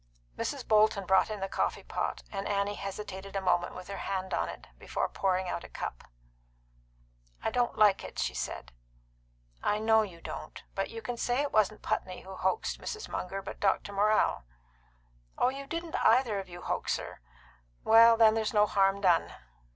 Mrs. Bolton brought in the coffee pot, and Annie hesitated a moment, with her hand on it, before pouring out a cup. "I don't like it," she said. "I know you don't. But you can say that it wasn't Putney who hoaxed Mrs. Munger, but Dr. Morrell." "Oh, you didn't either of you hoax her." "Well, then, there's no harm done."